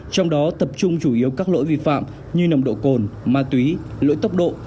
trong đó tập trung chủ yếu các lỗi vi phạm như nồng độ cồn ma túy lỗi tốc độ